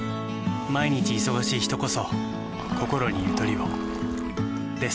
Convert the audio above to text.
毎日忙しい人こそこころにゆとりをです。